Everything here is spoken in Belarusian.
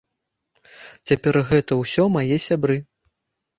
Цяпер гэта ўсё мае сябры.